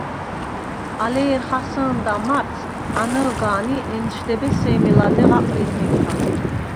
ალე ერ ხასჷ̄ნდა მარტს, ანჷ̄გან ი ენშდებე სემი ლადეღ აპრილხენქა.